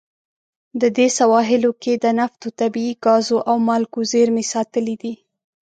د دې سواحلو کې د نفتو، طبیعي ګازو او مالګو زیرمې ساتلې دي.